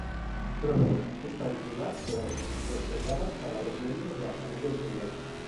Pronto, esta dignidad quedó reservada para los miembros de la familia imperial.